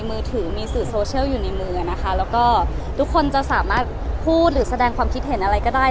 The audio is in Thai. มือถือมีสื่อโซเชียลอยู่ในมือนะคะแล้วก็ทุกคนจะสามารถพูดหรือแสดงความคิดเห็นอะไรก็ได้